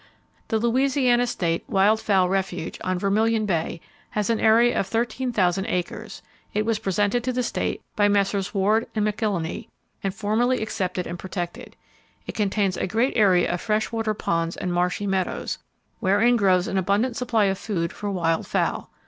The Louisiana State Wild Fowl Refuge on Vermillion Bay, has an area of 13,000 acres. It was presented to the state by Messrs. Ward and McIlhenny, and formally accepted and protected. It contains a great area of fresh water ponds and marshy meadows, wherein grows an abundant supply of food for wild fowl.